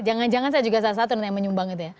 jangan jangan saya juga salah satu yang menyumbang itu ya